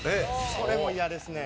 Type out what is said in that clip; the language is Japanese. それも嫌ですね。